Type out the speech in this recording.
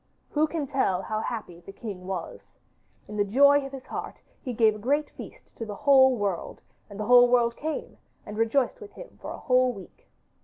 Who can tell how happy the king was? In the joy of his heart he gave a great feast to the whole world, and the whole world came and rejoiced with him for a whole week.